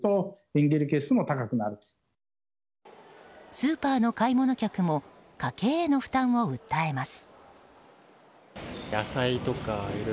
スーパーの買い物客も家計への負担を訴えます。